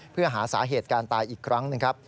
เพื่อหาสาเหตุการตายอีกครั้งหนึ่งครับ